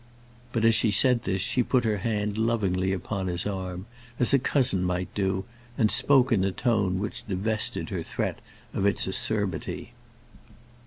But as she said this she put her hand lovingly upon his arm, as a cousin might do, and spoke in a tone which divested her threat of its acerbity.